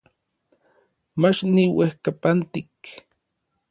Mach niuejkapantik.